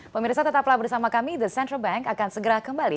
pemirsa tetaplah bersama kami the central bank akan segera kembali